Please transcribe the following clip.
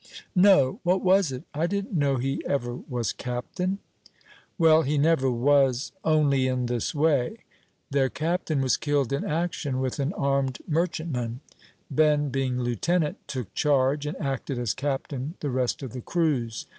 "No; what was it? I didn't know he ever was captain." "Well, he never was, only in this way. Their captain was killed in action with an armed merchantman; Ben, being lieutenant, took charge, and acted as captain the rest of the cruise.